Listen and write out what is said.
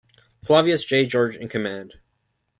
Flavius J. George in command.